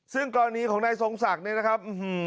ซึ่งกรณีของนายทรงศักดิ์เนี่ยนะครับ